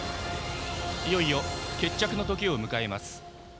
いよいよ決着のときを迎えます。